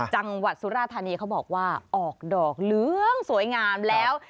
จังหวัดสุราธานีเขาบอกว่าออกดอกเหลืองสวยงามแล้ว